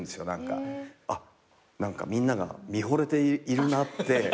あっみんなが見ほれているなって。